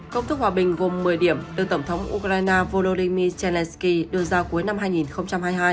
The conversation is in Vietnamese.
công thức hòa bình gồm một mươi điểm được tổng thống ukraine volodymyr zelensky đưa ra cuối năm hai nghìn hai mươi hai